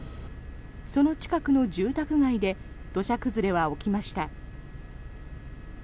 その近くの住宅街で土砂崩れは起きました。